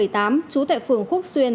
trú tại phường khúc xuyên